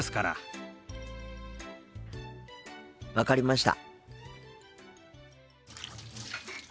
分かりました。